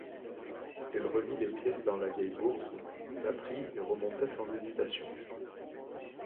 Elle remit les pièces dans la vieille bourse, la prit et remonta sans hésitation.